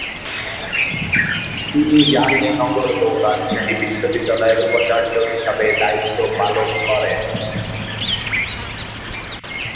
তিনি জাহাঙ্গীরনগর ও রাজশাহী বিশ্ববিদ্যালয়ের উপাচার্য হিসাবে দায়িত্ব পালন করেন।